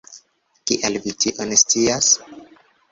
Kial vi tion scias?